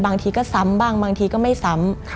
บางทีก็ซ้ำบ้างบางทีก็ไม่ซ้ำ